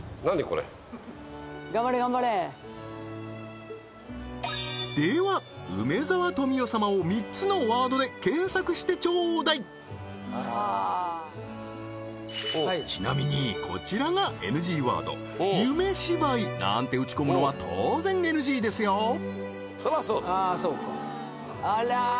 これ頑張れ頑張れでは梅沢富美男様を３つのワードで検索してちょうだいちなみにこちらがＮＧワード夢芝居なんて打ち込むのは当然ＮＧでそらそうだああーそうかあらー